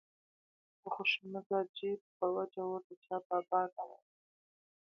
د خوش مزاجۍ په وجه ورته چا بابا نه ویل.